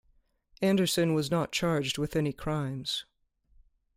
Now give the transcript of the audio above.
Andersen was not charged with any crimes.